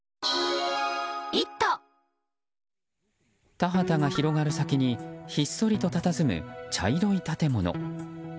田畑が広がる先にひっそりとたたずむ、茶色い建物。